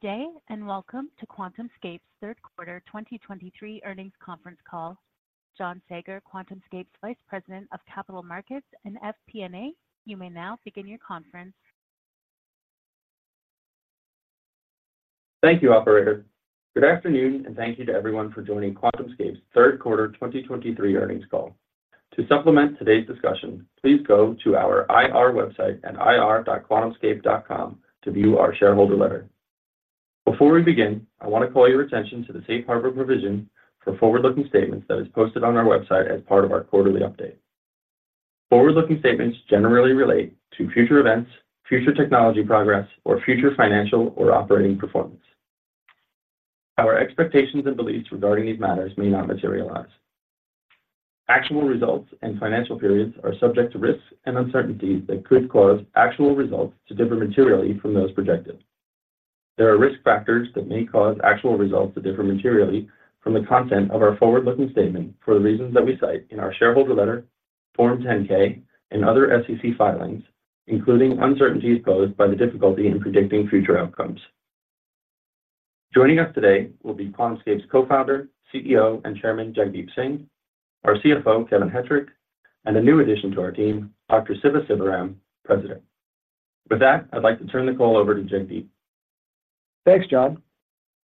Good day, and welcome to QuantumScape's third quarter 2023 earnings conference call. John Saager, QuantumScape's Vice President of Capital Markets and FP&A, you may now begin your conference. Thank you, operator. Good afternoon, and thank you to everyone for joining QuantumScape's third quarter 2023 earnings call. To supplement today's discussion, please go to our IR website at ir.quantumscape.com to view our shareholder letter. Before we begin, I want to call your attention to the Safe Harbor provision for forward-looking statements that is posted on our website as part of our quarterly update. Forward-looking statements generally relate to future events, future technology progress, or future financial or operating performance. Our expectations and beliefs regarding these matters may not materialize. Actual results and financial periods are subject to risks and uncertainties that could cause actual results to differ materially from those projected. There are risk factors that may cause actual results to differ materially from the content of our forward-looking statement for the reasons that we cite in our shareholder letter, Form 10-K, and other SEC filings, including uncertainties posed by the difficulty in predicting future outcomes. Joining us today will be QuantumScape's Co-founder, CEO, and Chairman, Jagdeep Singh, our CFO, Kevin Hettrich, and a new addition to our team, Dr. Siva Sivaram, President. With that, I'd like to turn the call over to Jagdeep. Thanks, John.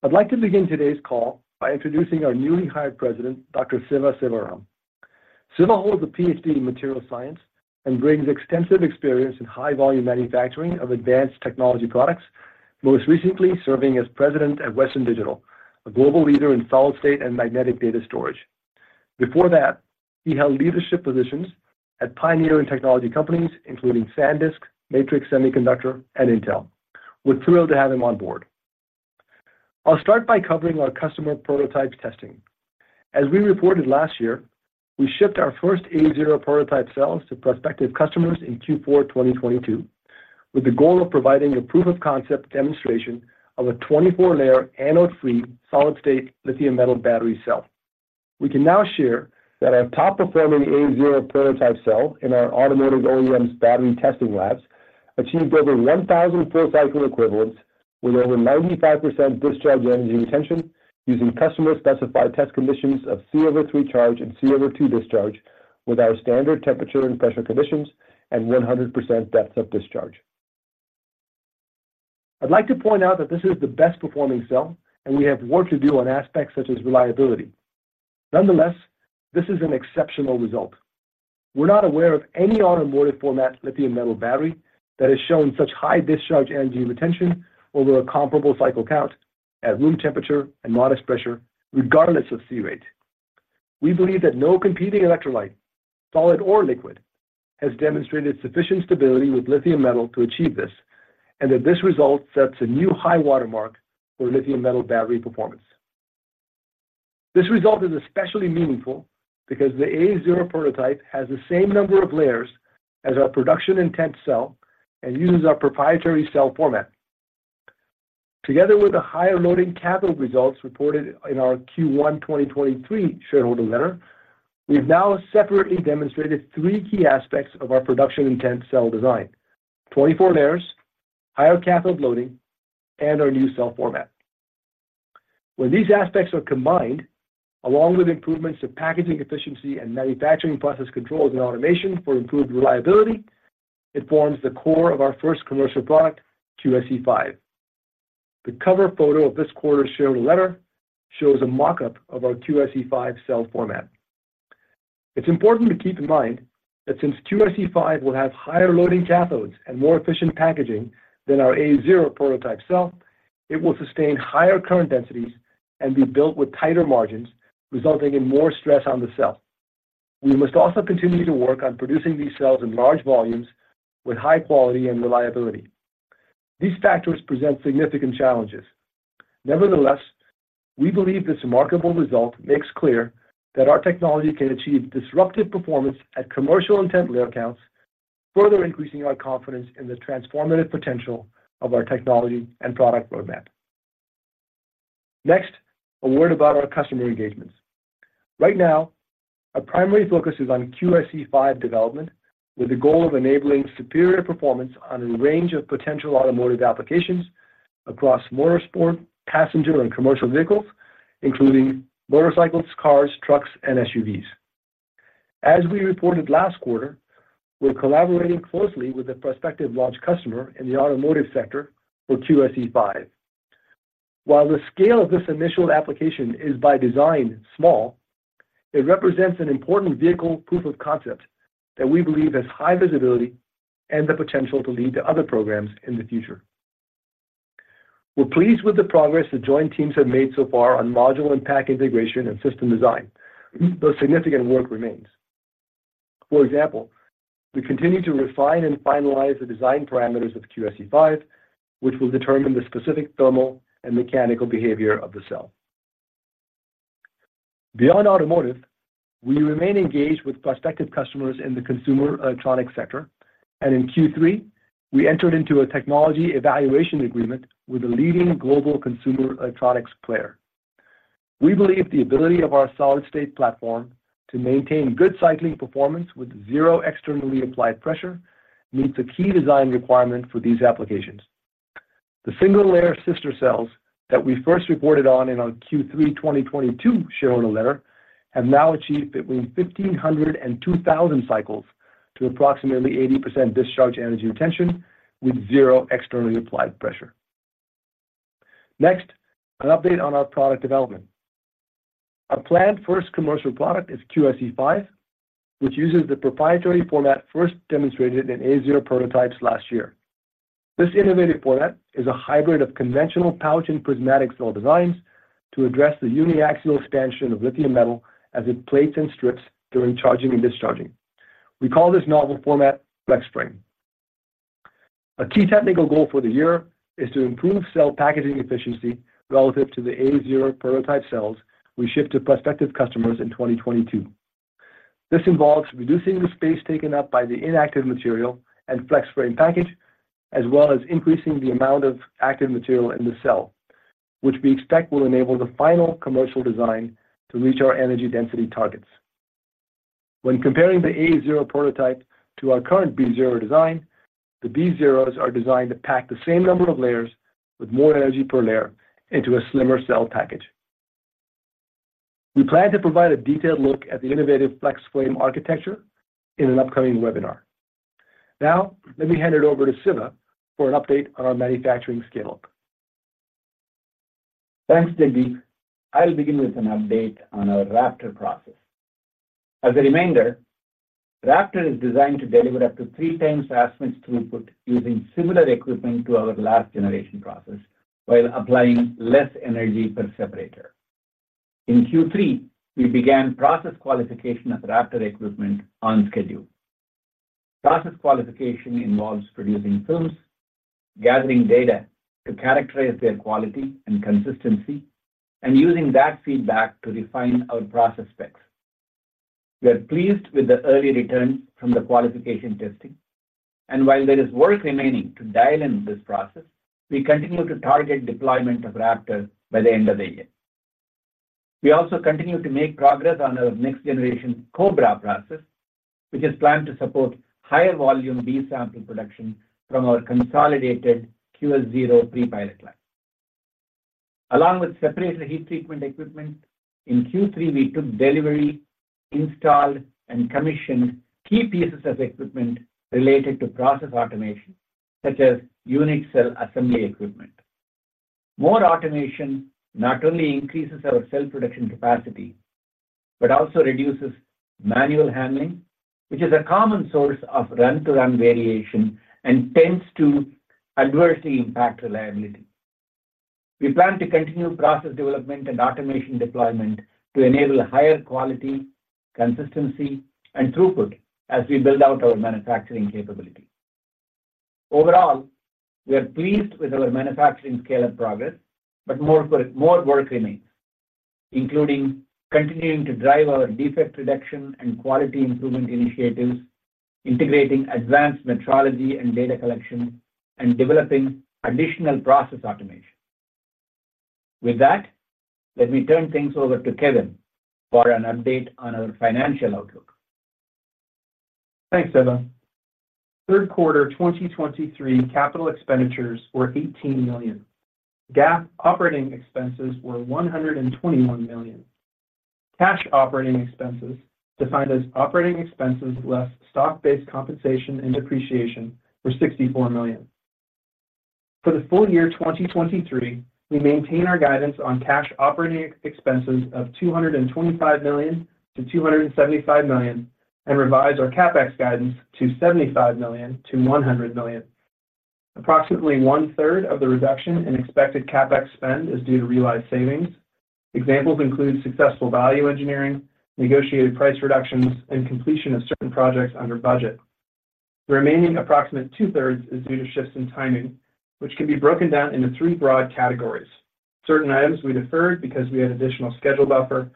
I'd like to begin today's call by introducing our newly hired president, Dr. Siva Sivaram. Siva holds a Ph.D. in Materials Science and brings extensive experience in high-volume manufacturing of advanced technology products, most recently serving as president at Western Digital, a global leader in solid-state and magnetic data storage. Before that, he held leadership positions at pioneering and technology companies, including SanDisk, Matrix Semiconductor, and Intel. We're thrilled to have him on board. I'll start by covering our customer prototype testing. As we reported last year, we shipped our first A0 prototype cells to prospective customers in Q4 2022, with the goal of providing a proof-of-concept demonstration of a 24-layer anode-free solid-state lithium metal battery cell. We can now share that our top-performing A0 prototype cell in our automotive OEM's battery testing labs achieved over 1,000 full cycle equivalents with over 95% discharge energy retention using customer-specified test conditions of C/3 charge and C/2 discharge with our standard temperature and pressure conditions and 100% depth of discharge. I'd like to point out that this is the best-performing cell, and we have work to do on aspects such as reliability. Nonetheless, this is an exceptional result. We're not aware of any automotive format lithium metal battery that has shown such high discharge energy retention over a comparable cycle count at room temperature and modest pressure, regardless of C rate. We believe that no competing electrolyte, solid or liquid, has demonstrated sufficient stability with lithium metal to achieve this, and that this result sets a new high watermark for lithium metal battery performance. This result is especially meaningful because the A0 prototype has the same number of layers as our production intent cell and uses our proprietary cell format. Together with the higher loading cathode results reported in our Q1 2023 shareholder letter, we have now separately demonstrated three key aspects of our production intent cell design: 24 layers, higher cathode loading, and our new cell format. When these aspects are combined, along with improvements to packaging efficiency and manufacturing process controls and automation for improved reliability, it forms the core of our first commercial product, QSE-5. The cover photo of this quarter's shareholder letter shows a mock-up of our QSE-5 cell format. It's important to keep in mind that since QSE-5 will have higher loading cathodes and more efficient packaging than our A0 prototype cell, it will sustain higher current densities and be built with tighter margins, resulting in more stress on the cell. We must also continue to work on producing these cells in large volumes with high quality and reliability. These factors present significant challenges. Nevertheless, we believe this remarkable result makes clear that our technology can achieve disruptive performance at commercial intent layer counts, further increasing our confidence in the transformative potential of our technology and product roadmap. Next, a word about our customer engagements. Right now, our primary focus is on QSE-5 development, with the goal of enabling superior performance on a range of potential automotive applications across motorsport, passenger, and commercial vehicles, including motorcycles, cars, trucks, and SUVs. As we reported last quarter, we're collaborating closely with a prospective large customer in the automotive sector for QSE-5. While the scale of this initial application is by design small, it represents an important vehicle proof of concept that we believe has high visibility and the potential to lead to other programs in the future. We're pleased with the progress the joint teams have made so far on module and pack integration and system design, though significant work remains. For example, we continue to refine and finalize the design parameters of QSE-5, which will determine the specific thermal and mechanical behavior of the cell. Beyond automotive, we remain engaged with prospective customers in the consumer electronics sector, and in Q3, we entered into a technology evaluation agreement with a leading global consumer electronics player. We believe the ability of our solid-state platform to maintain good cycling performance with zero externally applied pressure meets a key design requirement for these applications. The single-layer sister cells that we first reported on in our Q3 2022 shareholder letter have now achieved between 1,500 and 2,000 cycles, to approximately 80% discharge energy retention, with zero externally applied pressure. Next, an update on our product development. Our planned first commercial product is QSE-5, which uses the proprietary format first demonstrated in A0 prototypes last year. This innovative format is a hybrid of conventional pouch and prismatic cell designs to address the uniaxial expansion of lithium metal as it plates and strips during charging and discharging. We call this novel format FlexFrame. A key technical goal for the year is to improve cell packaging efficiency relative to the A0 prototype cells we ship to prospective customers in 2022. This involves reducing the space taken up by the inactive material and FlexFrame package, as well as increasing the amount of active material in the cell, which we expect will enable the final commercial design to reach our energy density targets. When comparing the A0 prototype to our current B0 design, the B0s are designed to pack the same number of layers with more energy per layer into a slimmer cell package. We plan to provide a detailed look at the innovative FlexFrame architecture in an upcoming webinar. Now, let me hand it over to Siva, for an update on our manufacturing scale-up. Thanks, Jagdeep. I'll begin with an update on our Raptor process. As a reminder, Raptor is designed to deliver up to three times as much throughput using similar equipment to our last generation process, while applying less energy per separator. In Q3, we began process qualification of Raptor equipment on schedule. Process qualification involves producing films, gathering data to characterize their quality and consistency, and using that feedback to refine our process specs. We are pleased with the early returns from the qualification testing, and while there is work remaining to dial in this process, we continue to target deployment of Raptor by the end of the year. We also continue to make progress on our next generation Cobra process, which is planned to support higher volume B sample production from our consolidated QS-0 pre-pilot line. Along with separator heat treatment equipment, in Q3, we took delivery, installed, and commissioned key pieces of equipment related to process automation, such as unit cell assembly equipment. More automation not only increases our cell production capacity, but also reduces manual handling, which is a common source of run-to-run variation and tends to adversely impact reliability. We plan to continue process development and automation deployment to enable higher quality, consistency, and throughput as we build out our manufacturing capability. Overall, we are pleased with our manufacturing scale-up progress, but more work remains, including continuing to drive our defect reduction and quality improvement initiatives, integrating advanced metrology and data collection, and developing additional process automation. With that, let me turn things over to Kevin for an update on our financial outlook. Thanks, Siva. Third quarter 2023 capital expenditures were $18 million. GAAP operating expenses were $121 million. Cash operating expenses, defined as operating expenses less stock-based compensation and depreciation, were $64 million. For the full year 2023, we maintain our guidance on cash operating expenses of $225 million-$275 million, and revise our CapEx guidance to $75 million-$100 million. Approximately one-third of the reduction in expected CapEx spend is due to realized savings. Examples include successful value engineering, negotiated price reductions, and completion of certain projects under budget. The remaining approximate two-thirds is due to shifts in timing, which can be broken down into 3 broad categories: Certain items we deferred because we had additional schedule buffer,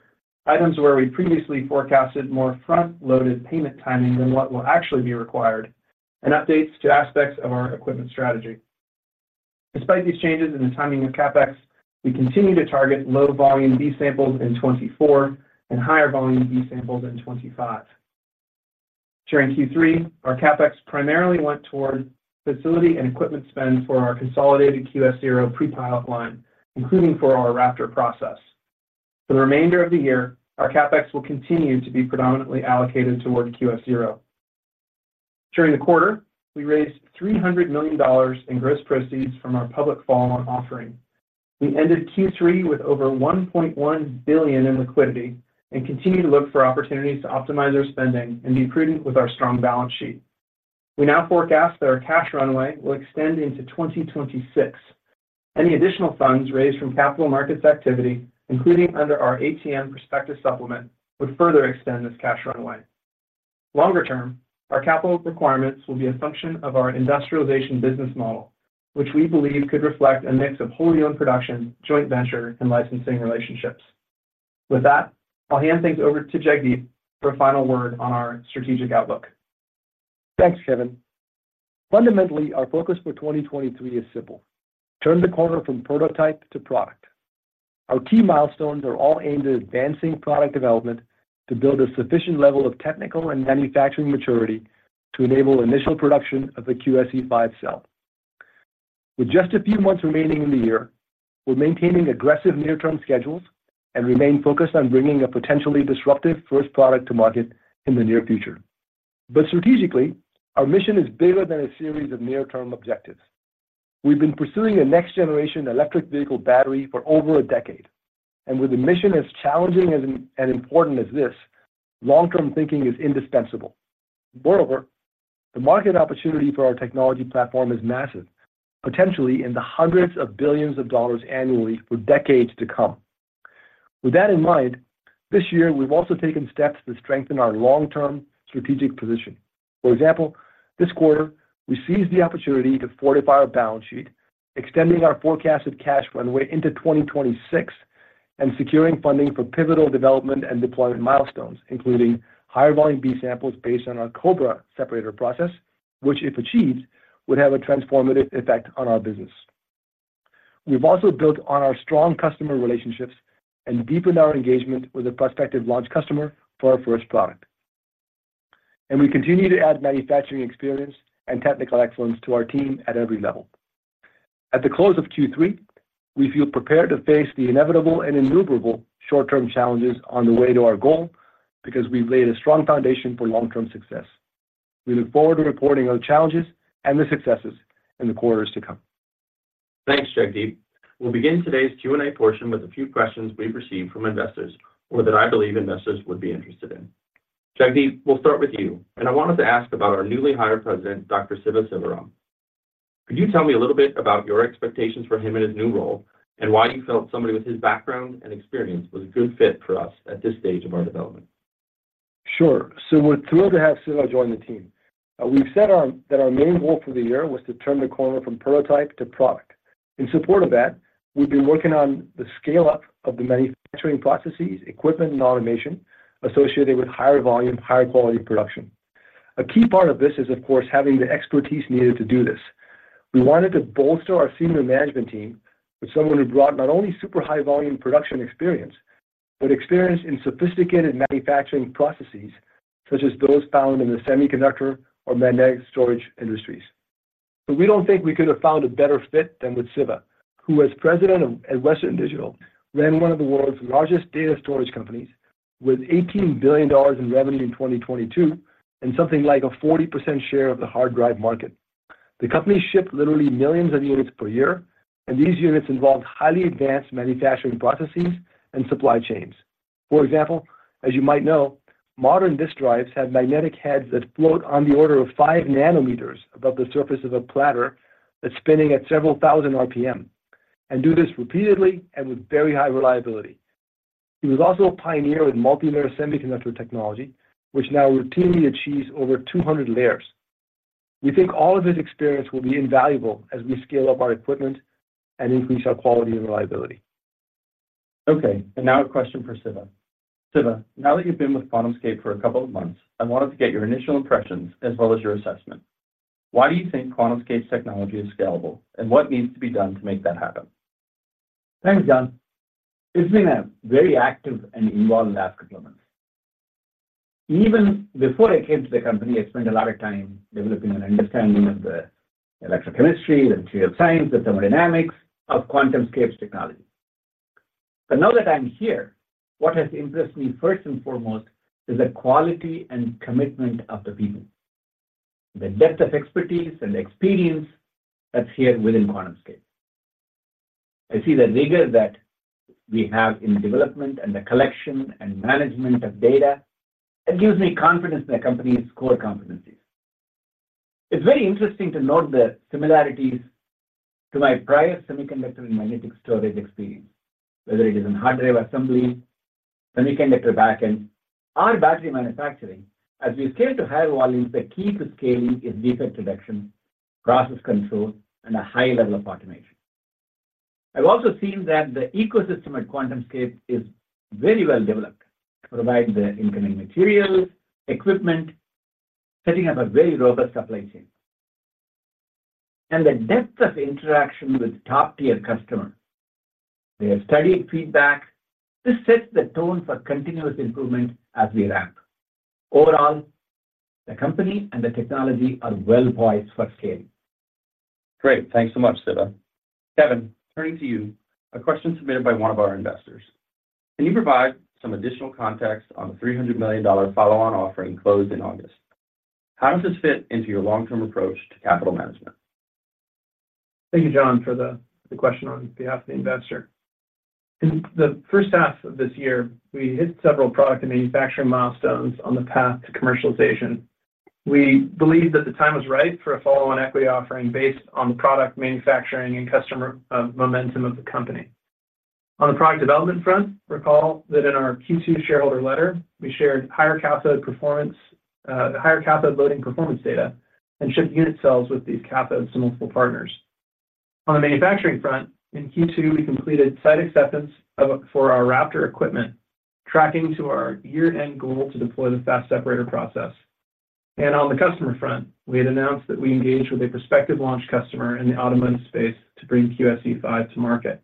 items where we previously forecasted more front-loaded payment timing than what will actually be required, and updates to aspects of our equipment strategy. Despite these changes in the timing of CapEx, we continue to target low volume B samples in 2024, and higher volume B samples in 2025. During Q3, our CapEx primarily went toward facility and equipment spend for our consolidated QS-0 pre-pilot line, including for our Raptor process. For the remainder of the year, our CapEx will continue to be predominantly allocated toward QS-0. During the quarter, we raised $300 million in gross proceeds from our public follow-on offering. We ended Q3 with over $1.1 billion in liquidity, and continue to look for opportunities to optimize our spending and be prudent with our strong balance sheet. We now forecast that our cash runway will extend into 2026. Any additional funds raised from capital markets activity, including under our ATM prospectus supplement, would further extend this cash runway. Longer term, our capital requirements will be a function of our industrialization business model, which we believe could reflect a mix of wholly owned production, joint venture, and licensing relationships. With that, I'll hand things over to Jagdeep for a final word on our strategic outlook. Thanks, Kevin. Fundamentally, our focus for 2023 is simple: turn the corner from prototype to product. Our key milestones are all aimed at advancing product development to build a sufficient level of technical and manufacturing maturity to enable initial production of the QSE-5 cell. With just a few months remaining in the year, we're maintaining aggressive near-term schedules and remain focused on bringing a potentially disruptive first product to market in the near future. But strategically, our mission is bigger than a series of near-term objectives. We've been pursuing a next-generation electric vehicle battery for over a decade, and with a mission as challenging as, and important as this, long-term thinking is indispensable. Moreover, the market opportunity for our technology platform is massive, potentially in the hundreds of billions of dollars annually for decades to come. With that in mind, this year, we've also taken steps to strengthen our long-term strategic position. For example, this quarter, we seized the opportunity to fortify our balance sheet, extending our forecasted cash runway into 2026 and securing funding for pivotal development and deployment milestones, including higher volume B samples based on our Cobra separator process, which, if achieved, would have a transformative effect on our business. We've also built on our strong customer relationships and deepened our engagement with a prospective launch customer for our first product. We continue to add manufacturing experience and technical excellence to our team at every level. At the close of Q3, we feel prepared to face the inevitable and innumerable short-term challenges on the way to our goal because we've laid a strong foundation for long-term success. We look forward to reporting on the challenges and the successes in the quarters to come. Thanks, Jagdeep. We'll begin today's Q&A portion with a few questions we've received from investors or that I believe investors would be interested in. Jagdeep, we'll start with you, and I wanted to ask about our newly hired president, Dr. Siva Sivaram. Could you tell me a little bit about your expectations for him in his new role, and why you felt somebody with his background and experience was a good fit for us at this stage of our development? Sure. So we're thrilled to have Siva join the team. We've said that our main goal for the year was to turn the corner from prototype to product. In support of that, we've been working on the scale-up of the manufacturing processes, equipment, and automation associated with higher volume, higher quality production. A key part of this is, of course, having the expertise needed to do this. We wanted to bolster our senior management team with someone who brought not only super high volume production experience, but experience in sophisticated manufacturing processes, such as those found in the semiconductor or magnetic storage industries. But we don't think we could have found a better fit than with Siva, who, as President at Western Digital, ran one of the world's largest data storage companies with $18 billion in revenue in 2022 and something like a 40% share of the hard drive market. The company shipped literally millions of units per year, and these units involved highly advanced manufacturing processes and supply chains. For example, as you might know, modern disk drives have magnetic heads that float on the order of 5 nanometers above the surface of a platter that's spinning at several thousand RPM, and do this repeatedly and with very high reliability. He was also a pioneer in multilayer semiconductor technology, which now routinely achieves over 200 layers. We think all of his experience will be invaluable as we scale up our equipment and increase our quality and reliability. Okay, and now a question for Siva. Siva, now that you've been with QuantumScape for a couple of months, I wanted to get your initial impressions as well as your assessment. Why do you think QuantumScape's technology is scalable, and what needs to be done to make that happen? Thanks, John. It's been a very active and involved last couple of months. Even before I came to the company, I spent a lot of time developing an understanding of the electrochemistry, the material science, the thermodynamics of QuantumScape's technology. But now that I'm here, what has impressed me, first and foremost, is the quality and commitment of the people, the depth of expertise and experience that's here within QuantumScape. I see the rigor that we have in the development and the collection and management of data. It gives me confidence in the company's core competencies. It's very interesting to note the similarities to my prior semiconductor and magnetic storage experience, whether it is in hard drive assembly, semiconductor back-end, or battery manufacturing. As we scale to higher volumes, the key to scaling is defect reduction, process control, and a high level of automation. I've also seen that the ecosystem at QuantumScape is very well developed to provide the incoming materials, equipment, setting up a very robust supply chain. The depth of interaction with top-tier customers. They have studied feedback. This sets the tone for continuous improvement as we ramp. Overall, the company and the technology are well poised for scaling. Great. Thanks so much, Siva. Kevin, turning to you, a question submitted by one of our investors: Can you provide some additional context on the $300 million follow-on offering closed in August? How does this fit into your long-term approach to capital management? Thank you, John, for the question on behalf of the investor. In the first half of this year, we hit several product and manufacturing milestones on the path to commercialization. We believed that the time was right for a follow-on equity offering based on the product, manufacturing, and customer momentum of the company. On the product development front, recall that in our Q2 shareholder letter, we shared higher cathode performance, higher cathode loading performance data and shipped unit cells with these cathodes to multiple partners. On the manufacturing front, in Q2, we completed site acceptance for our Raptor equipment, tracking to our year-end goal to deploy the fast separator process. And on the customer front, we had announced that we engaged with a prospective launch customer in the automotive space to bring QSE-5 to market.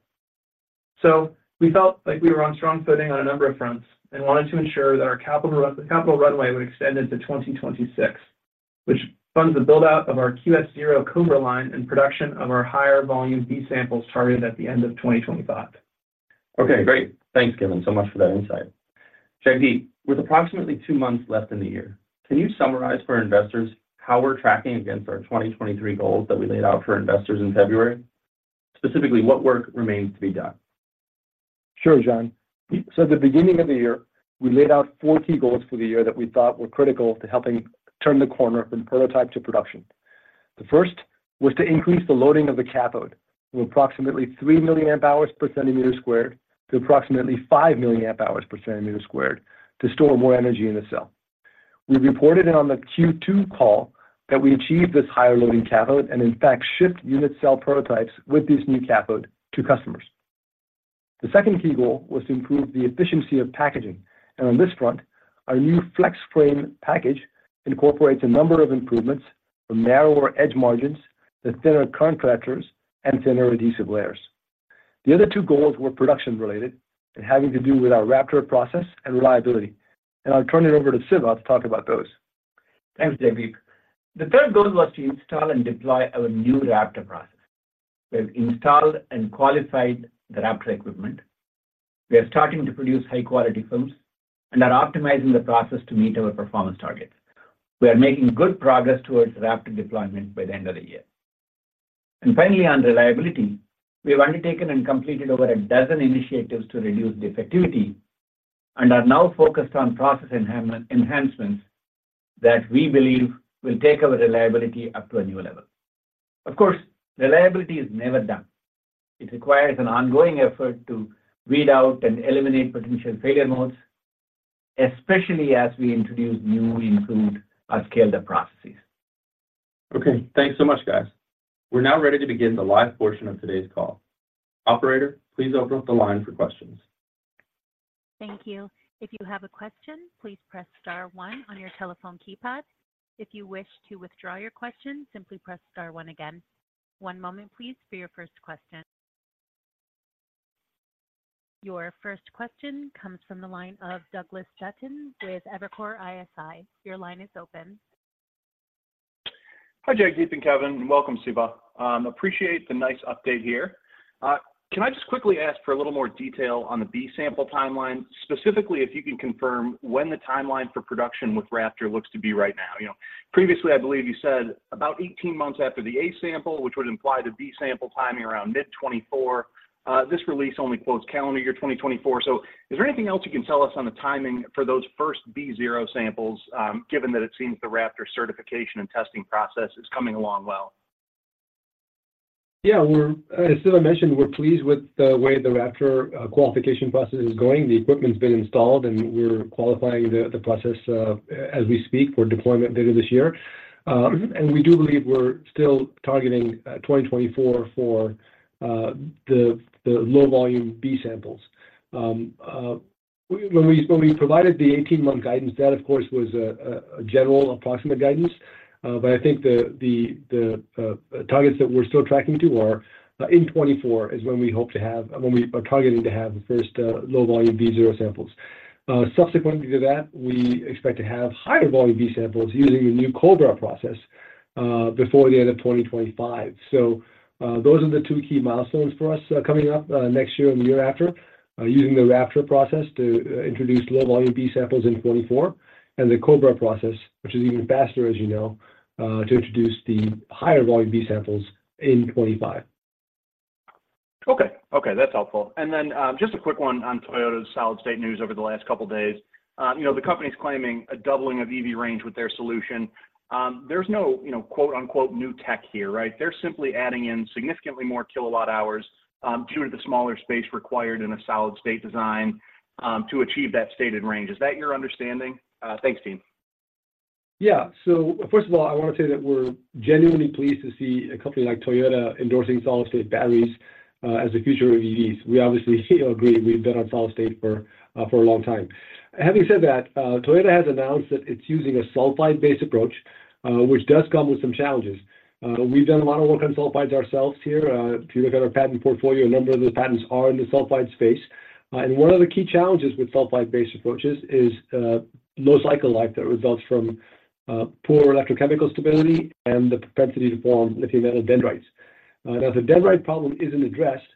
So we felt like we were on strong footing on a number of fronts and wanted to ensure that our capital runway would extend into 2026, which funds the build-out of our QS-0 Cobra line and production of our higher volume B samples targeted at the end of 2025. Okay, great. Thanks, Kevin, so much for that insight. Jagdeep, with approximately two months left in the year, can you summarize for our investors how we're tracking against our 2023 goals that we laid out for investors in February? Specifically, what work remains to be done? Sure, John. So at the beginning of the year, we laid out 4 key goals for the year that we thought were critical to helping turn the corner from prototype to production. The first was to increase the loading of the cathode from approximately 3 milliamp hours per centimeter squared to approximately 5 milliamp hours per centimeter squared to store more energy in the cell. We reported on the Q2 call that we achieved this higher loading cathode and in fact, shipped unit cell prototypes with this new cathode to customers. The second key goal was to improve the efficiency of packaging, and on this front, our new FlexFrame package incorporates a number of improvements from narrower edge margins to thinner current collectors and thinner adhesive layers. The other two goals were production-related and having to do with our Raptor process and reliability. I'll turn it over to Siva to talk about those. Thanks, Jagdeep. The third goal was to install and deploy our new Raptor process. We've installed and qualified the Raptor equipment. We are starting to produce high-quality films and are optimizing the process to meet our performance targets. We are making good progress towards Raptor deployment by the end of the year. And finally, on reliability, we have undertaken and completed over a dozen initiatives to reduce defectivity and are now focused on process enhancements that we believe will take our reliability up to a new level. Of course, reliability is never done. It requires an ongoing effort to weed out and eliminate potential failure modes, especially as we introduce new, improved, or scaled-up processes. Okay, thanks so much, guys. We're now ready to begin the live portion of today's call. Operator, please open up the line for questions. Thank you. If you have a question, please press star one on your telephone keypad. If you wish to withdraw your question, simply press star one again. One moment, please, for your first question. Your first question comes from the line of Douglas Dutton with Evercore ISI. Your line is open. Hi, Jagdeep and Kevin. Welcome, Siva. Appreciate the nice update here. Can I just quickly ask for a little more detail on the B sample timeline? Specifically, if you can confirm when the timeline for production with Raptor looks to be right now. You know, previously, I believe you said about 18 months after the A sample, which would imply the B sample timing around mid-2024. This release only quotes calendar year 2024. So is there anything else you can tell us on the timing for those first B0 samples, given that it seems the Raptor certification and testing process is coming along well? Yeah, we're, as Siva mentioned, we're pleased with the way the Raptor qualification process is going. The equipment's been installed, and we're qualifying the process as we speak for deployment later this year. And we do believe we're still targeting 2024 for the low volume B samples. When we provided the 18-month guidance, that, of course, was a general approximate guidance. But I think the targets that we're still tracking to are in 2024, is when we hope to have when we are targeting to have the first low volume B zero samples. Subsequently to that, we expect to have higher volume B samples using the new Cobra process before the end of 2025. Those are the two key milestones for us, coming up, next year and the year after. Using the Raptor process to introduce low volume B samples in 2024, and the Cobra process, which is even faster, as you know, to introduce the higher volume B samples in 2025. Okay. Okay, that's helpful. And then, just a quick one on Toyota's solid-state news over the last couple of days. You know, the company's claiming a doubling of EV range with their solution. There's no, you know, quote, unquote, "new tech" here, right? They're simply adding in significantly more kilowatt hours, due to the smaller space required in a solid-state design, to achieve that stated range. Is that your understanding? Thanks, team. Yeah. So first of all, I want to say that we're genuinely pleased to see a company like Toyota endorsing solid-state batteries as the future of EVs. We obviously agree; we've been on solid state for a long time. Having said that, Toyota has announced that it's using a sulfide-based approach, which does come with some challenges. We've done a lot of work on sulfides ourselves here. If you look at our patent portfolio, a number of the patents are in the sulfide space. And one of the key challenges with sulfide-based approaches is low cycle life that results from poor electrochemical stability and the propensity to form lithium metal dendrites. Now, if the dendrite problem isn't addressed,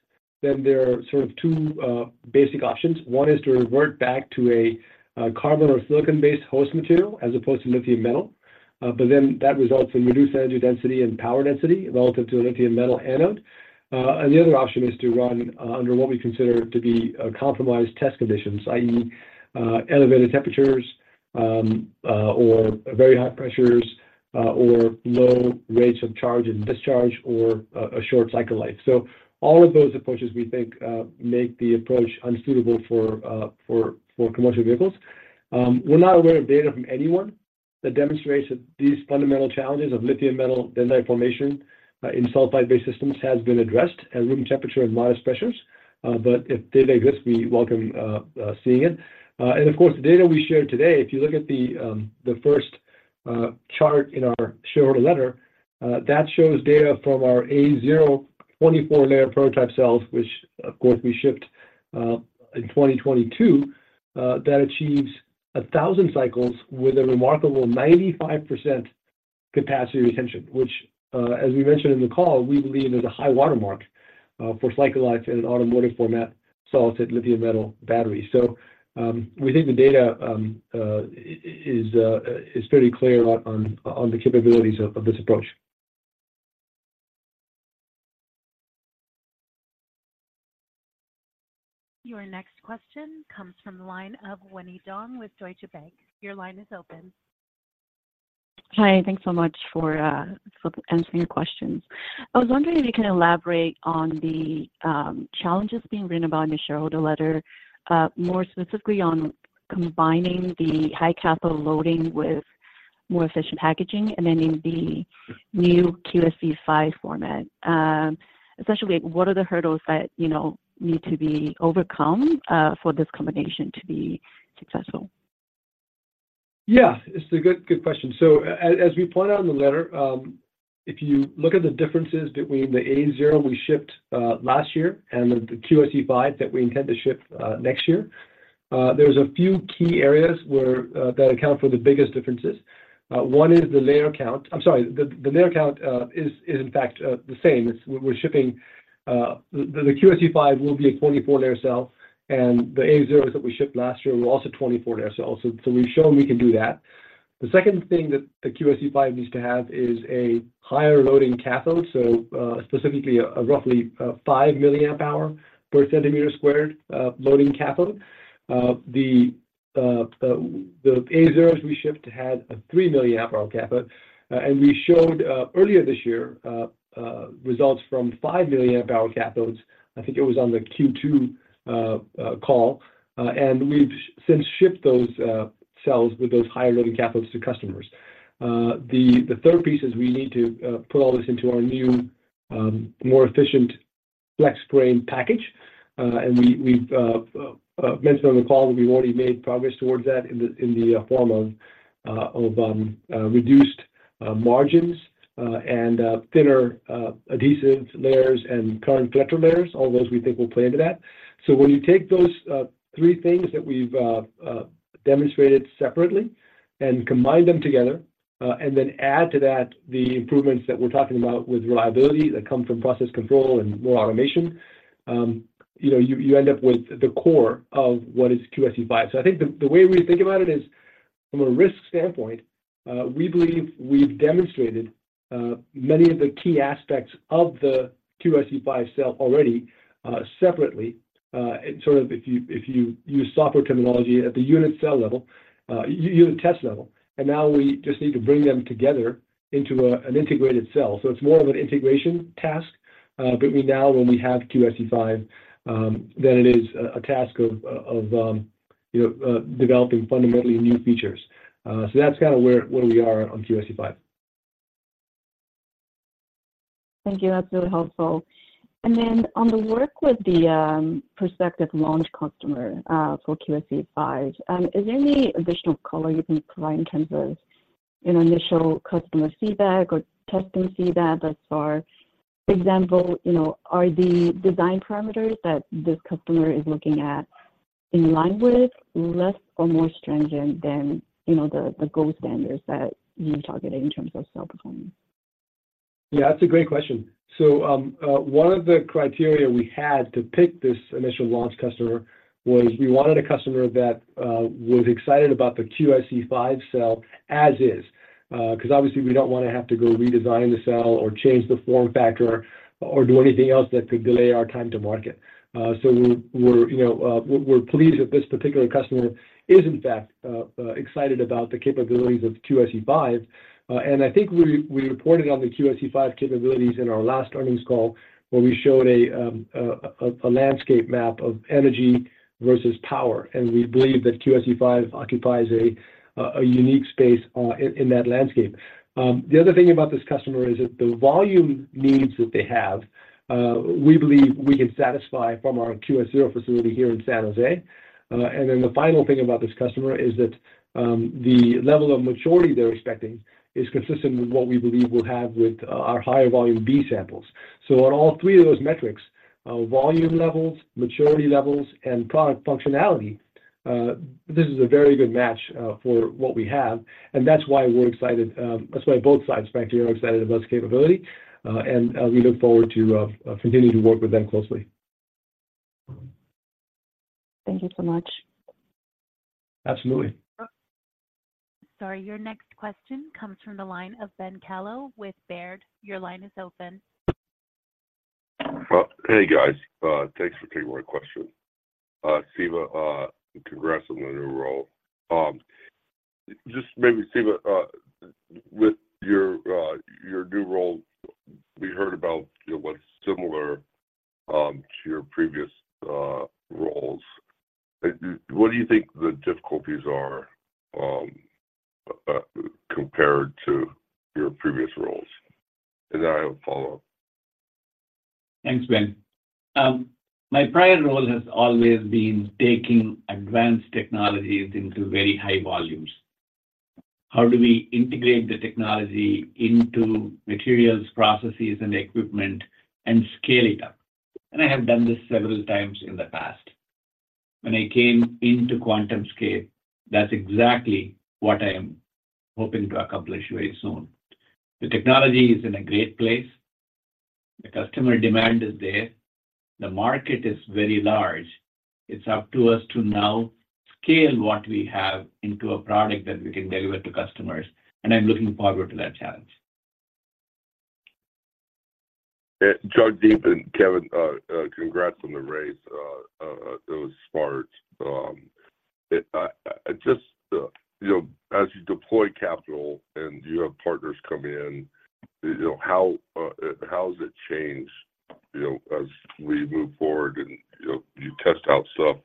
then there are sort of two basic options. One is to revert back to a carbon or silicon-based host material, as opposed to lithium metal. But then that results in reduced energy density and power density relative to a lithium metal anode. And the other option is to run under what we consider to be a compromised test conditions, i.e., elevated temperatures, or very high pressures, or low rates of charge and discharge, or a short cycle life. So all of those approaches, we think, make the approach unsuitable for commercial vehicles. We're not aware of data from anyone that demonstrates that these fundamental challenges of lithium metal dendrite formation in sulfide-based systems has been addressed at room temperature and modest pressures. But if data exists, we welcome seeing it. And of course, the data we shared today, if you look at the first chart in our shareholder letter, that shows data from our A0 24-layer prototype cells, which of course we shipped in 2022, that achieves 1,000 cycles with a remarkable 95% capacity retention. Which, as we mentioned in the call, we believe is a high watermark for cycle life in an automotive format, solid state lithium metal battery. So, we think the data is pretty clear on the capabilities of this approach. Your next question comes from the line of Winnie Dong with Deutsche Bank. Your line is open. Hi, thanks so much for answering the questions. I was wondering if you can elaborate on the challenges being written about in the shareholder letter, more specifically on combining the high cathode loading with more efficient packaging and then in the new QSE-5 format. Especially, what are the hurdles that, you know, need to be overcome, for this combination to be successful? Yeah, it's a good, good question. So as we pointed out in the letter, if you look at the differences between the A0 we shipped last year and the QSE-5 that we intend to ship next year, there's a few key areas where that account for the biggest differences. One is the layer count. I'm sorry, the layer count is in fact the same. We're shipping the QSE-5, which will be a 24-layer cell, and the A0 that we shipped last year were also 24-layer cells. So we've shown we can do that. The second thing that the QSE-5 needs to have is a higher loading cathode, so specifically a roughly 5 mAh/cm² loading cathode. The A0 we shipped had a 3 milliamp hour cathode, and we showed earlier this year results from 5 milliamp hour cathodes. I think it was on the Q2 call. And we've since shipped those cells with those higher loading cathodes to customers. The third piece is we need to put all this into our new more efficient FlexFrame package. And we've mentioned on the call that we've already made progress towards that in the form of reduced margins and thinner adhesive layers and current collector layers. All those we think will play into that. So when you take those three things that we've demonstrated separately and combine them together, and then add to that the improvements that we're talking about with reliability that come from process control and more automation, you know, you end up with the core of what is QSE-5. So I think the way we think about it is, from a risk standpoint, we believe we've demonstrated many of the key aspects of the QSE-5 cell already, separately. And sort of if you use software terminology at the unit cell level, unit test level, and now we just need to bring them together into an integrated cell. So it's more of an integration task, but we now when we have QSE-5, than it is a task of, of, you know, developing fundamentally new features. So that's kind of where we are on QSE-5. Thank you. That's really helpful. And then on the work with the prospective launch customer for QSE-5, is there any additional color you can provide in terms of, you know, initial customer feedback or testing feedback? For example, you know, are the design parameters that this customer is looking at in line with less or more stringent than, you know, the gold standards that you targeted in terms of cell performance? Yeah, that's a great question. So, one of the criteria we had to pick this initial launch customer was we wanted a customer that was excited about the QSE-5 cell as is. Because obviously we don't want to have to go redesign the cell or change the form factor, or do anything else that could delay our time to market. So we're, you know, pleased that this particular customer is in fact excited about the capabilities of QSE-5. And I think we reported on the QSE-5 capabilities in our last earnings call, where we showed a landscape map of energy versus power, and we believe that QSE-5 occupies a unique space in that landscape. The other thing about this customer is that the volume needs that they have, we believe we can satisfy from our QS-0 facility here in San Jose. And then the final thing about this customer is that, the level of maturity they're expecting is consistent with what we believe we'll have with, our higher volume B samples. So on all three of those metrics, volume levels, maturity levels, and product functionality, this is a very good match, for what we have, and that's why we're excited, that's why both sides, in fact, are excited about this capability, and, we look forward to, continuing to work with them closely. Thank you so much. Absolutely. Sorry. Your next question comes from the line of Ben Kallo with Baird. Your line is open. Well, hey, guys, thanks for taking my question. Siva, congrats on the new role. Just maybe, Siva, with your new role, we heard about, you know, what's similar to your previous roles. What do you think the difficulties are compared to your previous roles? And then I have a follow-up. Thanks, Ben. My prior role has always been taking advanced technologies into very high volumes. How do we integrate the technology into materials, processes, and equipment and scale it up? I have done this several times in the past. When I came into QuantumScape, that's exactly what I am hoping to accomplish very soon. The technology is in a great place. The customer demand is there. The market is very large. It's up to us to now scale what we have into a product that we can deliver to customers, and I'm looking forward to that challenge. Jagdeep and Kevin, congrats on the race. It was smart. Just, you know, as you deploy capital and you have partners come in, you know, how has it changed, you know, as we move forward and, you know, you test out stuff?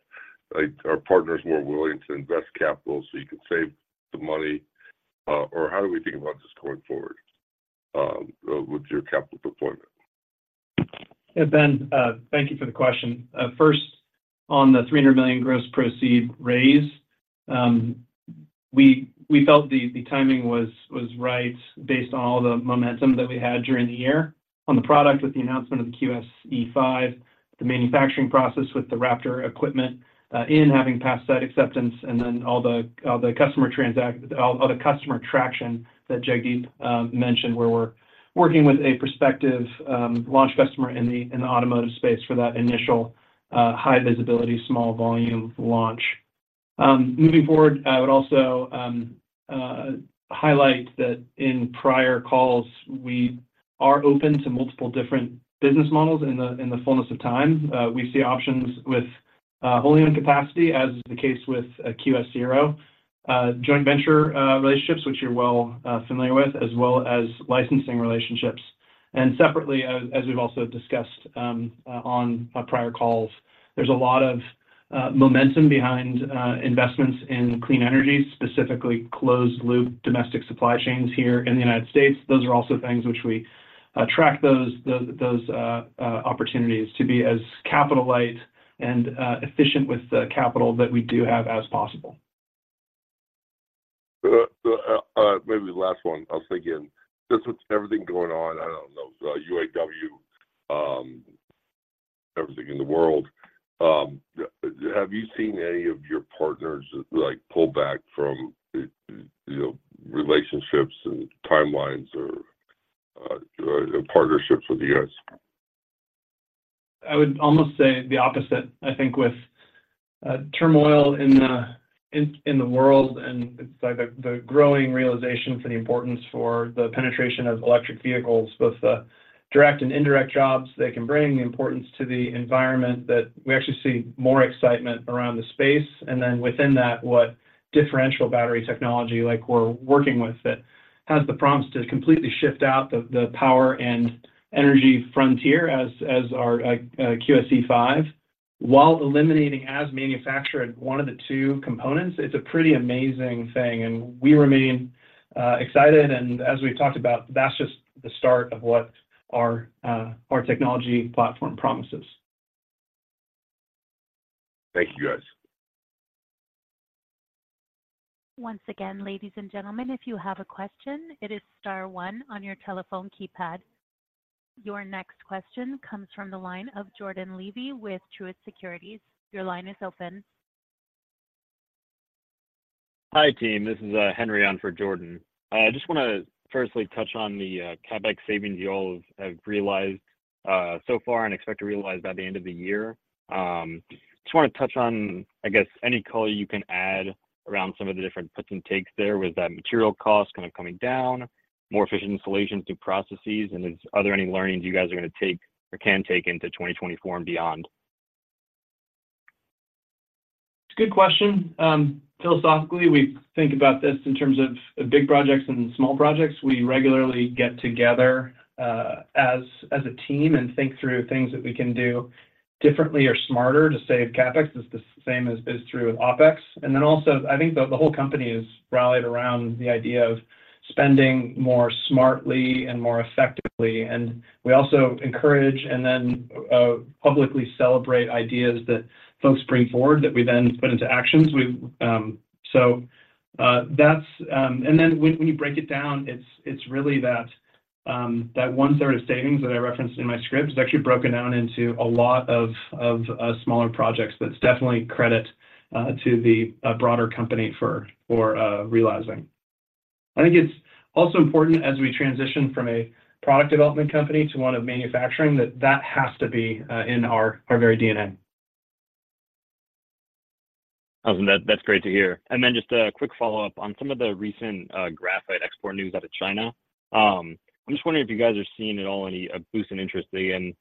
Like, are partners more willing to invest capital so you can save the money, or how do we think about this going forward with your capital deployment? Yeah, Ben, thank you for the question. First, on the $300 million gross proceed raise, we felt the timing was right based on all the momentum that we had during the year on the product with the announcement of the QSE-5, the manufacturing process with the Raptor equipment, in having passed that acceptance, and then all the customer traction that Jagdeep mentioned, where we're working with a prospective launch customer in the automotive space for that initial high visibility, small volume launch. Moving forward, I would also highlight that in prior calls, we are open to multiple different business models in the fullness of time. We see options with holding on capacity, as is the case with QS-0, joint venture relationships, which you're well familiar with, as well as licensing relationships. Separately, as we've also discussed on my prior calls, there's a lot of momentum behind investments in clean energy, specifically closed-loop domestic supply chains here in the United States. Those are also things which we track those opportunities to be as capital light and efficient with the capital that we do have as possible. Maybe the last one. I was thinking, just with everything going on, I don't know, UAW, everything in the world, have you seen any of your partners, like, pull back from, you know, relationships and timelines or, partnerships with you guys? I would almost say the opposite. I think with turmoil in the world, and it's like the growing realization for the importance for the penetration of electric vehicles, both the direct and indirect jobs they can bring the importance to the environment, that we actually see more excitement around the space. And then within that, what differential battery technology like we're working with that has the promise to completely shift out the power and energy frontier as our QSE-5, while eliminating as manufactured one of the two components. It's a pretty amazing thing, and we remain excited, and as we've talked about, that's just the start of what our technology platform promises. Thank you, guys. Once again, ladies and gentlemen, if you have a question, it is star one on your telephone keypad. Your next question comes from the line of Jordan Levy with Truist Securities. Your line is open. Hi, team. This is Henry on for Jordan. I just wanna firstly touch on the CapEx savings you all have, have realized so far and expect to realize by the end of the year. Just wanna touch on, I guess, any color you can add around some of the different puts and takes there. With that material cost kinda coming down, more efficient installation through processes, and are there any learnings you guys are gonna take or can take into 2024 and beyond? Good question. Philosophically, we think about this in terms of big projects and small projects. We regularly get together as a team and think through things that we can do differently or smarter to save CapEx. It's the same as is true with OpEx. And then also, I think the whole company is rallied around the idea of spending more smartly and more effectively. And we also encourage and then publicly celebrate ideas that folks bring forward that we then put into actions. And then when you break it down, it's really that one third of savings that I referenced in my script, is actually broken down into a lot of smaller projects. That's definitely credit to the broader company for realizing. I think it's also important as we transition from a product development company to one of manufacturing, that that has to be in our very DNA. Awesome. That's great to hear. And then just a quick follow-up on some of the recent graphite export news out of China. I'm just wondering if you guys are seeing at all any a boost in interest in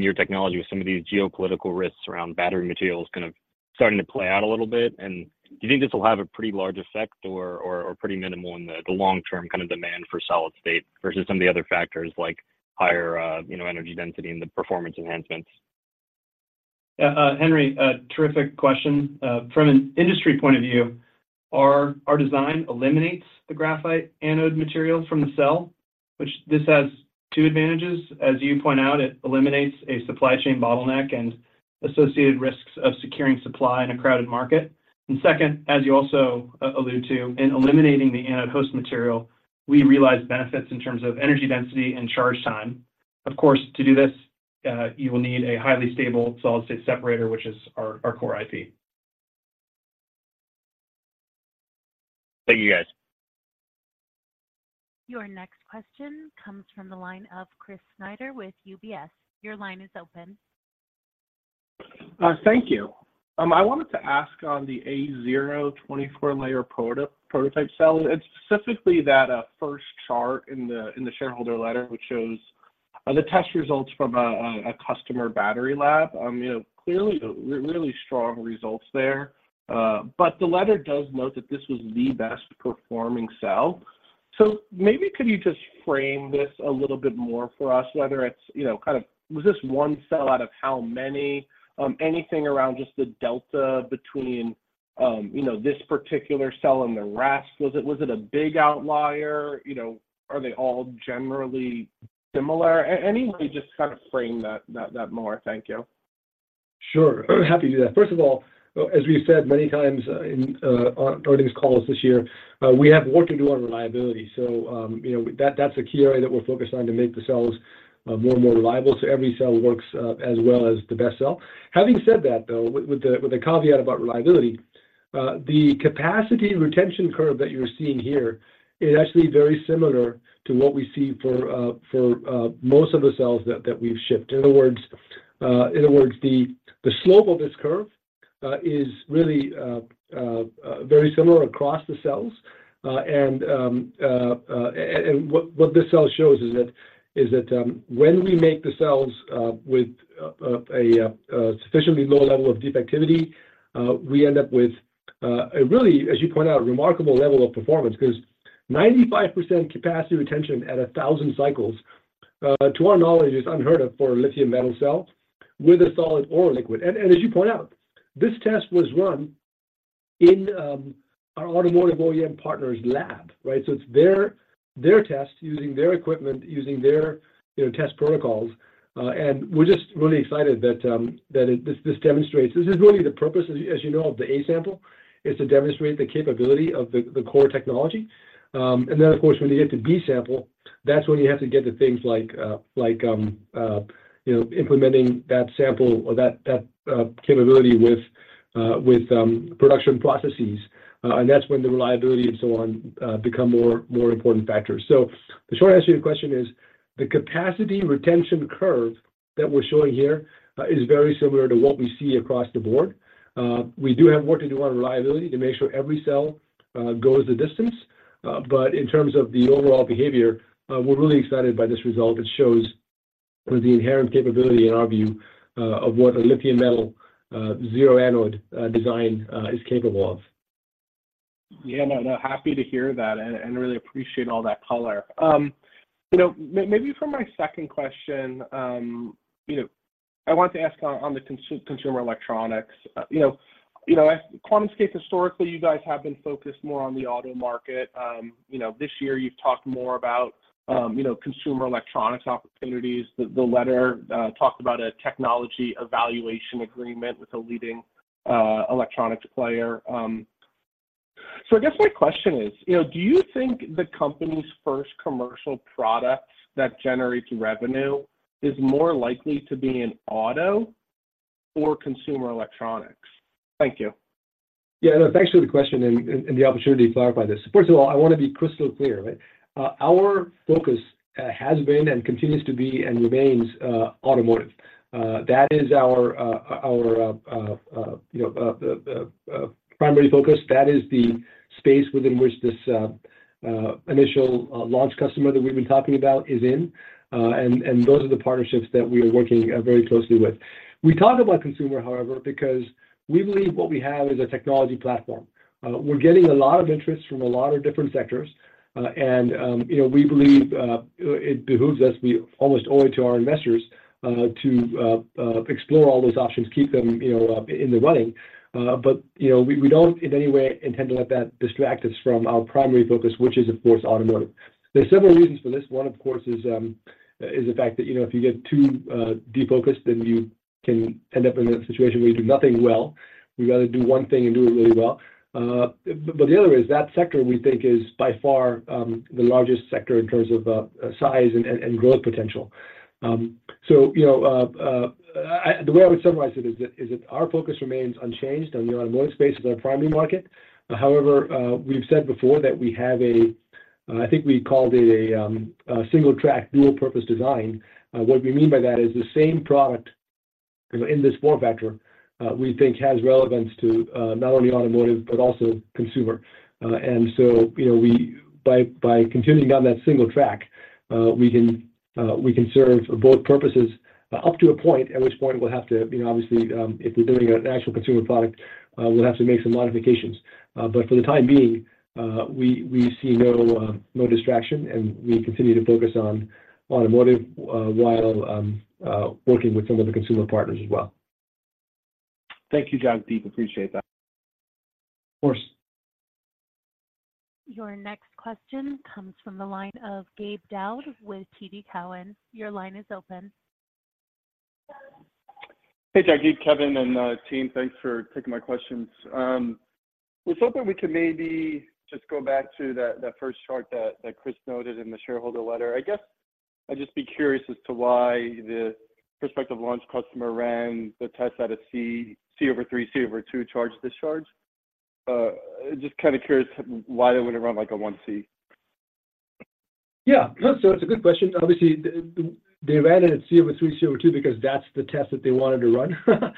your technology with some of these geopolitical risks around battery materials kind of starting to play out a little bit, and do you think this will have a pretty large effect or pretty minimal in the long-term kind of demand for solid state versus some of the other factors like higher, you know, energy density and the performance enhancements? Henry, a terrific question. From an industry point of view, our design eliminates the graphite anode material from the cell, which has two advantages. As you point out, it eliminates a supply chain bottleneck and associated risks of securing supply in a crowded market. Second, as you also allude to, in eliminating the anode host material, we realize benefits in terms of energy density and charge time. Of course, to do this, you will need a highly stable solid-state separator, which is our core IP. Thank you, guys. Your next question comes from the line of Chris Snyder with UBS. Your line is open. Thank you. I wanted to ask on the A0 24-layer prototype cell, and specifically that first chart in the shareholder letter, which shows the test results from a customer battery lab. You know, clearly, really strong results there. But the letter does note that this was the best performing cell. So maybe could you just frame this a little bit more for us, whether it's, you know, kind of was this one cell out of how many? Anything around just the delta between this particular cell and the rest? Was it a big outlier? You know, are they all generally similar? Anyway, just kind of frame that more. Thank you. Sure. Happy to do that. First of all, as we've said many times, in on earnings calls this year, we have work to do on reliability. So, you know, that's a key area that we're focused on to make the cells more and more reliable, so every cell works as well as the best cell. Having said that, though, with the caveat about reliability, the capacity retention curve that you're seeing here is actually very similar to what we see for most of the cells that we've shipped. In other words, the slope of this curve is really very similar across the cells. And what this cell shows is that, when we make the cells with a sufficiently low level of defectivity, we end up with a really, as you point out, remarkable level of performance. Because 95% capacity retention at 1,000 cycles, to our knowledge, is unheard of for a lithium metal cell, whether solid or liquid. And as you point out, this test was run in our automotive OEM partner's lab, right? So it's their test, using their equipment, using their, you know, test protocols. And we're just really excited that it. This demonstrates. This is really the purpose, as you know, of the A sample, is to demonstrate the capability of the core technology. And then, of course, when you get to B sample, that's when you have to get to things like, like, you know, implementing that sample or that capability with production processes. And that's when the reliability and so on become more important factors. So the short answer to your question is, the capacity retention curve that we're showing here is very similar to what we see across the board. We do have work to do on reliability to make sure every cell goes the distance. But in terms of the overall behavior, we're really excited by this result. It shows the inherent capability, in our view, of what a lithium metal zero anode design is capable of. Yeah, no, no, happy to hear that and really appreciate all that color. You know, maybe for my second question, you know, I want to ask on consumer electronics. You know, you know, at QuantumScape historically, you guys have been focused more on the auto market. You know, this year you've talked more about, you know, consumer electronics opportunities. The letter talked about a technology evaluation agreement with a leading electronics player. So I guess my question is, you know, do you think the company's first commercial product that generates revenue is more likely to be in auto or consumer electronics? Thank you. Yeah, no, thanks for the question and the opportunity to clarify this. First of all, I want to be crystal clear, right? Our focus has been and continues to be and remains automotive. That is our, you know, primary focus. That is the space within which this initial launch customer that we've been talking about is in, and those are the partnerships that we are working very closely with. We talk about consumer, however, because we believe what we have is a technology platform. We're getting a lot of interest from a lot of different sectors, and, you know, we believe it behooves us, we almost owe it to our investors to explore all those options, keep them, you know, in the running. But, you know, we don't in any way intend to let that distract us from our primary focus, which is of course, automotive. There are several reasons for this. One, of course, is the fact that, you know, if you get too defocused, then you can end up in a situation where you do nothing well. We'd rather do one thing and do it really well. But the other is that sector, we think is by far the largest sector in terms of size and growth potential. So, you know, the way I would summarize it is that our focus remains unchanged on the automotive space is our primary market. However, we've said before that we have a, I think we called it a single track, dual purpose design. What we mean by that is the same product, you know, in this form factor, we think has relevance to not only automotive but also consumer. And so, you know, we, by continuing down that single track, we can serve both purposes up to a point, at which point we'll have to, you know, obviously, if we're building an actual consumer product, we'll have to make some modifications. But for the time being, we see no distraction, and we continue to focus on automotive while working with some of the consumer partners as well. Thank you, Jagdeep. Appreciate that. Of course. Your next question comes from the line of Gabe Daoud with TD Cowen. Your line is open. Hey, Jagdeep, Kevin, and team, thanks for taking my questions. I was hoping we could maybe just go back to that first chart that Chris noted in the shareholder letter. I guess I'd just be curious as to why the prospective launch customer ran the test out of C/3, C/2 charge discharge. Just kind of curious why they wouldn't run, like, a 1C. Yeah, so it's a good question. Obviously, they ran it at C/3, C/2, because that's the test that they wanted to run.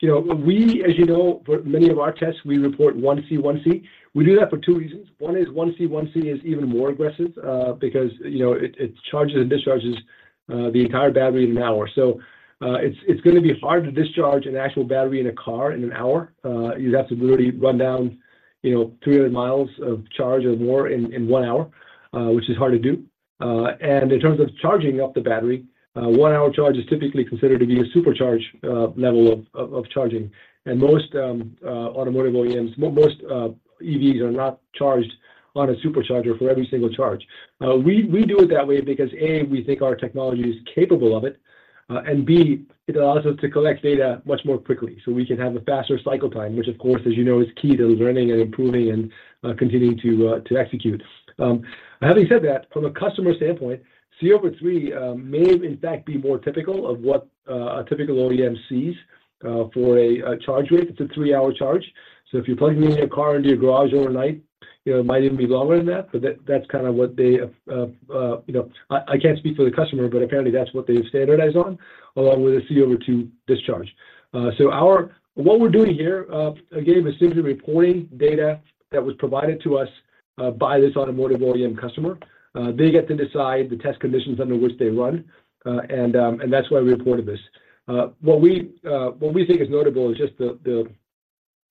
You know, we, as you know, for many of our tests, we report 1C, 1C. We do that for two reasons. One is 1C, 1C is even more aggressive, because, you know, it charges and discharges the entire battery in an hour. So, it's gonna be hard to discharge an actual battery in a car in an hour. You'd have to literally run down, you know, 300 miles of charge or more in one hour, which is hard to do. And in terms of charging up the battery, one-hour charge is typically considered to be a supercharge level of charging. Most automotive OEMs, most EVs are not charged on a supercharger for every single charge. We do it that way because, A, we think our technology is capable of it, and B, it allows us to collect data much more quickly, so we can have a faster cycle time, which of course, as you know, is key to learning and improving and continuing to execute. Having said that, from a customer standpoint, C/3 may in fact be more typical of what a typical OEM sees for a charge rate. It's a three-hour charge, so if you're plugging in your car into your garage overnight, you know, it might even be longer than that, but that's kind of what they. You know, I can't speak for the customer, but apparently, that's what they've standardized on, along with a C/2 discharge. So what we're doing here, again, is simply reporting data that was provided to us by this automotive OEM customer. They get to decide the test conditions under which they run, and that's why we reported this. What we think is notable is just the,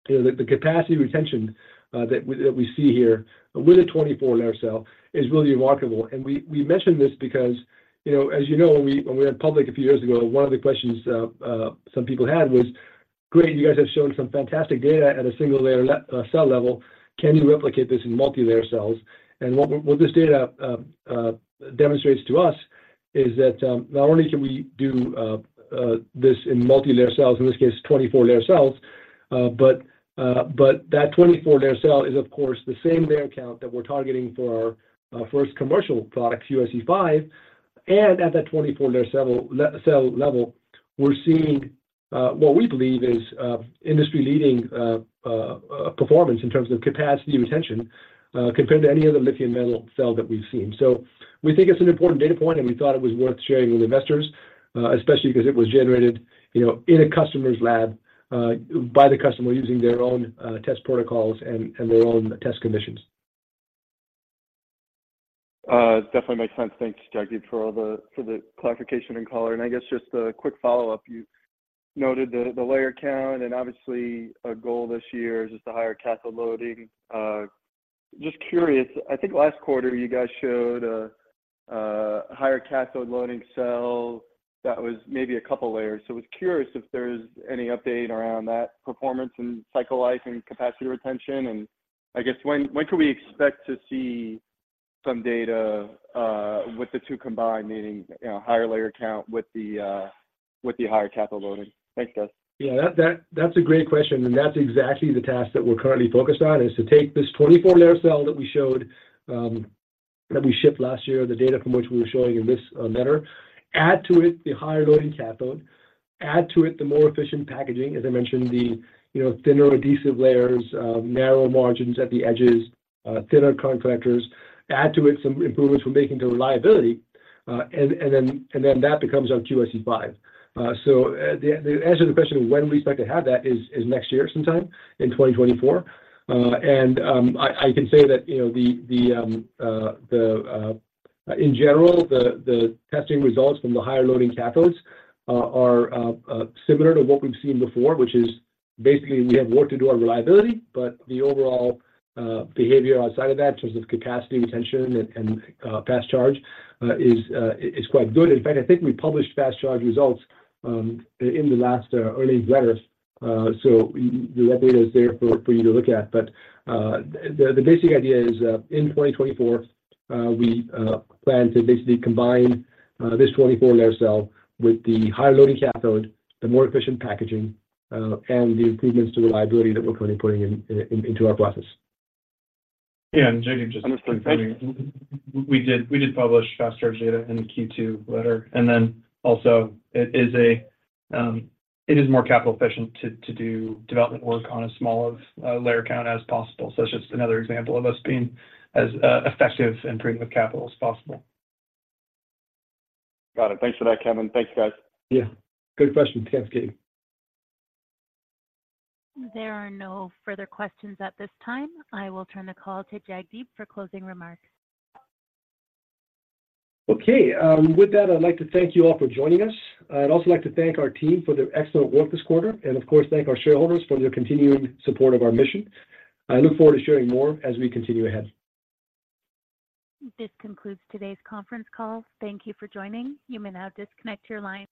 you know, the capacity retention that we see here with a 24-layer cell is really remarkable. And we mention this because, you know, as you know, when we went public a few years ago, one of the questions some people had was, "Great, you guys have shown some fantastic data at a single-layer cell level. Can you replicate this in multilayer cells?" And what this data demonstrates to us is that not only can we do this in multilayer cells, in this case, 24-layer cells, but that 24-layer cell is, of course, the same layer count that we're targeting for our first commercial product, QSE-5. And at that 24-layer level, cell level, we're seeing what we believe is industry-leading performance in terms of capacity retention compared to any other lithium metal cell that we've seen. So we think it's an important data point, and we thought it was worth sharing with investors, especially because it was generated, you know, in a customer's lab by the customer using their own test protocols and their own test conditions. Definitely makes sense. Thanks, Jagdeep, for all the, for the clarification and color. And I guess just a quick follow-up, you noted the, the layer count, and obviously, a goal this year is just the higher cathode loading. Just curious, I think last quarter you guys showed a, a higher cathode loading cell that was maybe a couple layers. So I was curious if there's any update around that performance, and cycle life, and capacity retention, and I guess when, when can we expect to see some data, with the two combined, meaning, you know, higher layer count with the, with the higher cathode loading? Thanks, guys. Yeah, that, that's a great question, and that's exactly the task that we're currently focused on, is to take this 24-layer cell that we showed, that we shipped last year, the data from which we were showing in this letter, add to it the higher loading cathode, add to it the more efficient packaging, as I mentioned, the, you know, thinner adhesive layers, narrow margins at the edges, thinner current collectors, add to it some improvements we're making to reliability, and then that becomes our QSE-5. So, the, to answer the question of when we expect to have that is next year sometime, in 2024. I can say that, you know, in general, the testing results from the higher loading cathodes are similar to what we've seen before, which is basically, we have work to do on reliability, but the overall behavior outside of that, in terms of capacity, retention, and fast charge, is quite good. In fact, I think we published fast charge results in the last earnings letters, so the raw data is there for you to look at. But the basic idea is, in 2024, we plan to basically combine this 24-layer cell with the higher loading cathode, the more efficient packaging, and the improvements to reliability that we're currently putting in into our process. Yeah, and Jagdeep, just- Understood. We did, we did publish fast charge data in the Q2 letter, and then also it is, it is more capital efficient to, to do development work on as small of a layer count as possible. So that's just another example of us being as, effective and prudent with capital as possible. Got it. Thanks for that, Kevin. Thank you, guys. Yeah, good question, Gabe. There are no further questions at this time. I will turn the call to Jagdeep for closing remarks. Okay, with that, I'd like to thank you all for joining us. I'd also like to thank our team for their excellent work this quarter, and of course, thank our shareholders for their continuing support of our mission. I look forward to sharing more as we continue ahead. This concludes today's conference call. Thank you for joining. You may now disconnect your line.